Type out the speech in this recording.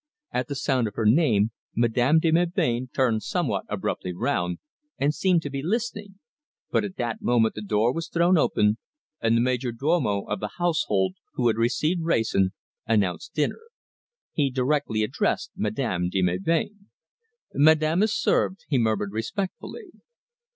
At the sound of her name, Madame de Melbain turned somewhat abruptly round, and seemed to be listening; but at that moment the door was thrown open, and the major domo of the household, who had received Wrayson, announced dinner. He directly addressed Madame de Melbain. "Madame is served," he murmured respectfully.